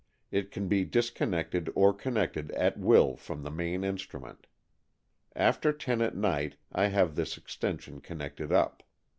It can be discon nected or connected at will from the main instrument. After ten at night I have this extension connected up.